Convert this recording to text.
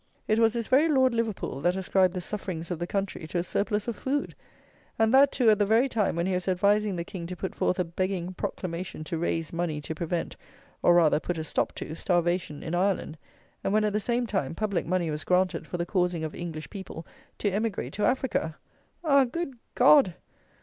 It was this very Lord Liverpool that ascribed the sufferings of the country to a surplus of food; and that, too, at the very time when he was advising the King to put forth a begging proclamation to raise money to prevent, or, rather, put a stop to, starvation in Ireland; and when, at the same time, public money was granted for the causing of English people to emigrate to Africa! Ah! Good God!